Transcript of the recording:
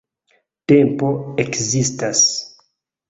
Tempo ekzistas!